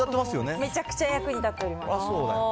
めちゃくちゃ役に立っております。